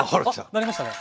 鳴りましたね！